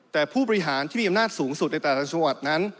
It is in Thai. แต่ผู้บริหารที่มีอำนาจสูงสุดในแต่ละจังหวัดนั้น